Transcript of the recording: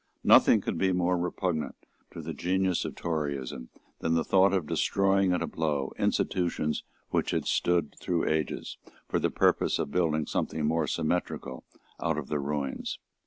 Nothing could be more repugnant to the genius of Toryism than the thought of destroying at a blow institutions which had stood through ages, for the purpose of building something more symmetrical out of the ruins.